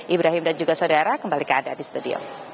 ibrahim dan juga saudara kembali keadaan di studio